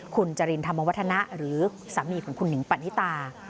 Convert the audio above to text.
คุณจรินธรรมวัฒนะหรือสามีของคุณหนิงปณิตา